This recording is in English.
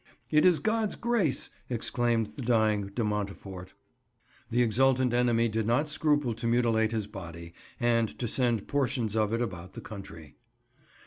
"It is God's grace!" exclaimed the dying De Montfort. The exultant enemy did not scruple to mutilate his body and to send portions of it about the country.